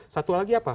satu lagi apa